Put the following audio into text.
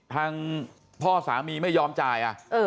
ทางพ่อสามีไม่ยอมจ่าย